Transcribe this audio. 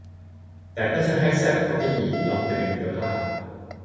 แต่ถ้าจะให้แซ่บเข้าไปอีกลองเตรียมเสื้อผ้า